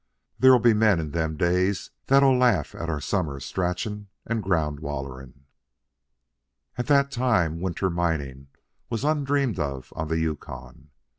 There'll be men in them days that'll laugh at our summer stratchin' an' ground wallerin'." At that time, winter mining was undreamed of on the Yukon.